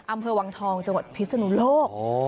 อำเภอวังทองจังหวัดพิศนุโลก